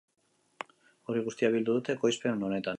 Hori guztia bildu dute ekoizpen honetan.